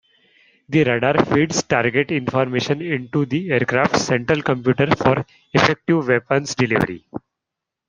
The radar feeds target information into the aircraft's central computer for effective weapons delivery.